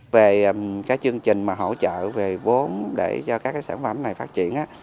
về các chương trình hỗ trợ về vốn để cho các sản phẩm này phát triển